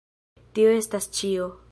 Tio estas ĉio.